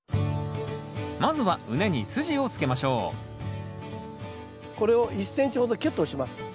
まずは畝にすじをつけましょうこれを１ｃｍほどきゅっと押します。